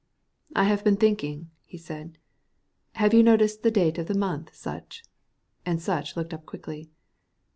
"I have been thinking," he said. "Have you noticed the date of the month, Sutch?" and Sutch looked up quickly.